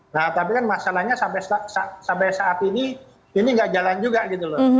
nah tapi kan masalahnya sampai saat ini ini nggak jalan juga gitu loh